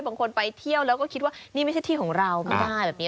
ไปเที่ยวแล้วก็คิดว่านี่ไม่ใช่ที่ของเราไม่ได้แบบนี้